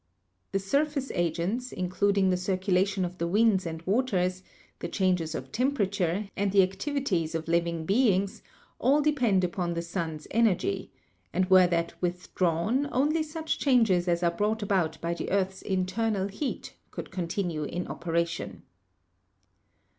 The surface agents, including the circulation of the winds and waters, the changes of temperature, and the activi ties of living beings, all depend upon the sun's energy^ and were that withdrawn, only such changes as are brought about by the earth's internal heat could continue in operation.